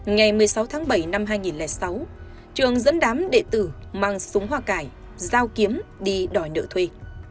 ngày một mươi sáu tháng bảy năm hai nghìn sáu trường dẫn đám đệ tử mang súng hoa cải giao kiếm đi đòi nợ thuê